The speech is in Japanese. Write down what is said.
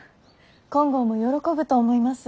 金剛も喜ぶと思います。